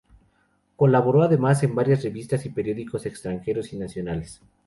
Colaboró además en varias revistas y periódicos extranjeros y nacionales.